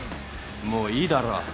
もういいだろ。